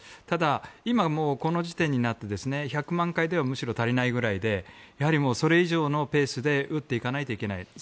ただ、今もうこの時点になって１００万回ではむしろ足りないぐらいでやはり、それ以上のペースで打っていかないといけない。